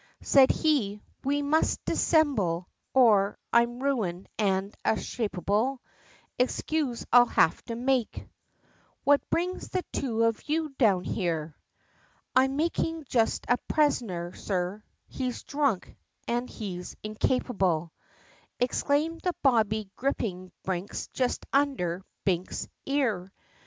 Said he, "We must dissimble, or I'm ruined, and a shapable, Excuse I'll have to make!" "What brings the two of you down here?" "I'm makin' just a Pres'ner, Sir, he's dhrunk, an' he's incapable," Exclaimed the bobbie, gripping Binks, just under Binks's ear!